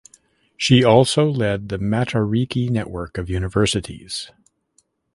She also led the Matariki network of universities.